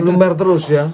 lumer terus ya